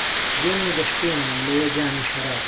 دێم و دەشکێنم لەوێ جامی شەراب